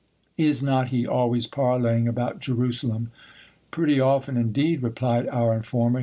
Is not he always parleying about Jerusalem ? Pretty often indeed, replied our informer.